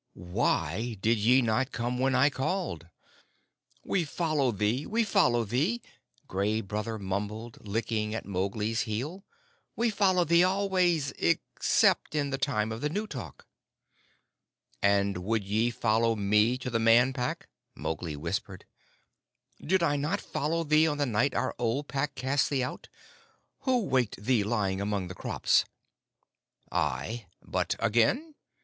"Why did ye not come when I called?" "We follow thee we follow thee," Gray Brother mumbled, licking at Mowgli's heel. "We follow thee always, except in the Time of the New Talk." "And would ye follow me to the Man Pack?" Mowgli whispered. "Did I not follow thee on the night our old Pack cast thee out? Who waked thee lying among the crops?" "Ay, but again?"